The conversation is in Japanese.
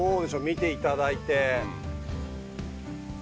見ていただいて。